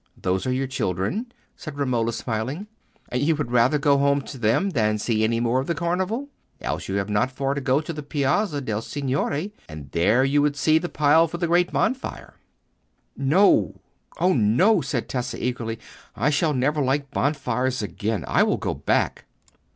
"Those are your children?" said Romola, smiling. "And you would rather go home to them than see any more of the Carnival? Else you have not far to go to the Piazza de' Signori, and there you would see the pile for the great bonfire." "No, oh no!" said Tessa, eagerly; "I shall never like bonfires again. I will go back."